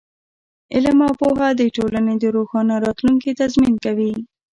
علم او پوهه د ټولنې د روښانه راتلونکي تضمین کوي.